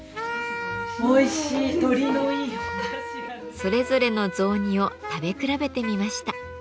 それぞれの雑煮を食べ比べてみました。